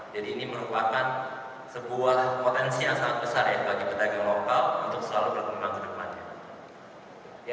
jadi ini merupakan sebuah potensi yang sangat besar bagi pedagang lokal untuk selalu bertengah ke depannya